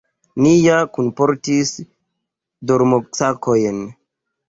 Ni ja kunportis dormosakojn.